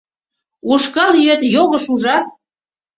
Ушкал ӱет йогыш, ужат!